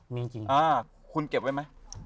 มีจริงคุณเก็บไว้ไหม